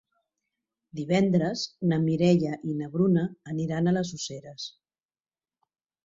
Divendres na Mireia i na Bruna aniran a les Useres.